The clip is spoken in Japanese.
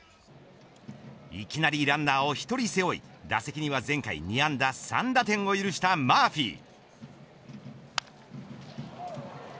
いきなりランナーを１人背負い打席には前回２安打３打点を許したマーフィー。